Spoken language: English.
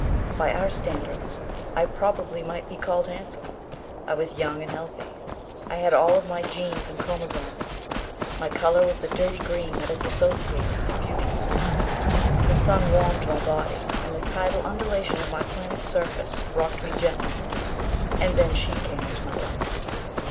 By our standards, I probably might be called handsome. I was young and healthy. I had all of my genes and chromosomes. My color was the dirty green that is associated with beauty. The sun warmed my body and the tidal undulation of my planet's surface rocked me gently. And then she came into my life.